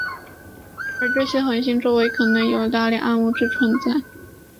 而这些恒星周围可能有大量暗物质存在。